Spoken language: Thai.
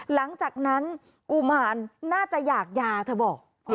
หลังจากนั้นกุมารน่าจะอยากยาเธอบอก